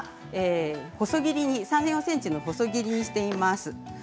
３、４ｃｍの細切りにしています。